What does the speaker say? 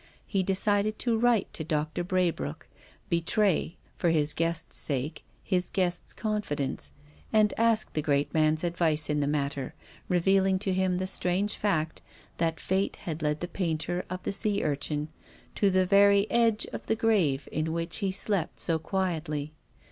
He decided to write to Doctor Braybrooke, betray, for his guest's sake, his guest's confidence, and ask the great man's advice in the matter, revealing to him the strange fact that fate had led the painter of the sea urchin to the very edge of the grave in which he slept so quietly.